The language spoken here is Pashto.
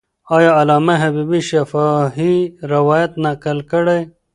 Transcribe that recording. آیا علامه حبیبي شفاهي روایت نقل کړی؟